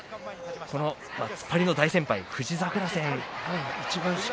突っ張りの大先輩、富士櫻戦。